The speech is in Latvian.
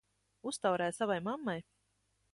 Uztaurē savai mammai!